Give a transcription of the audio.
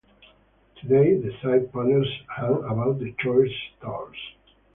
Today, the side panels hang above the choir stalls.